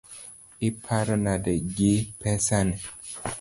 Iparo nade gi pesani?